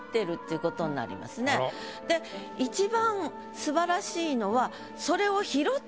で一番素晴らしいのは。